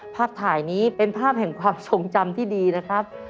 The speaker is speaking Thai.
ภาพถ่ายนี้เป็นภาพแห่งความทรงจำที่ดีนะครับ